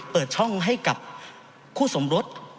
เปิดช่องให้กับคู่สมรส